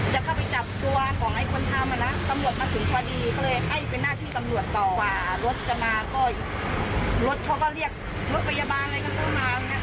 เราก็ไม่กล้าดูบ้างเนอะแค่เห็นเป็นรูสองสามนึง